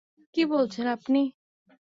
কী বলছেন আপনি?